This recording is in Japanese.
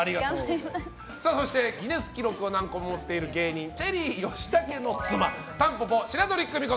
そしてギネス世界記録を何個も持っている芸人チェリー吉武の妻たんぽぽ白鳥久美子